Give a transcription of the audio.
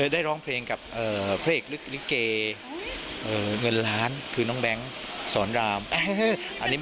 ได้ร้องเพลงกับพระเอกลิเกเงินล้านคือน้องแบงค์สอนราม